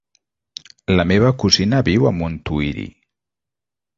La meva cosina viu a Montuïri.